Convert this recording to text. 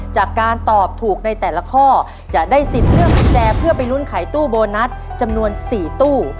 จากการตอบถูกในแต่ละข้อจะได้สิทธิ์เลือกกุญแจเพื่อไปลุ้นไขตู้โบนัสจำนวน๔ตู้